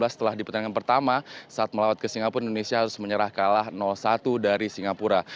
setelah di pertandingan pertama saat melawat ke singapura indonesia harus menyerah kalah satu dari singapura